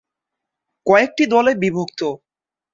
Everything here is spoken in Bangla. কয়েকটি দলে বিভক্ত।